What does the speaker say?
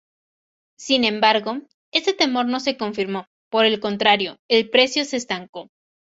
Sin embargo, este temor no se confirmó, por el contrario el precio se estancó.